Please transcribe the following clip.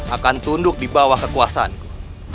akan tunduk di bawah kekuasaanku